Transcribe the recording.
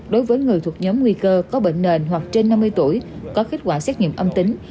đối với người thuộc nhóm nguy cơ có bệnh nền hoặc trên năm mươi tuổi có kết quả xét nghiệm âm tính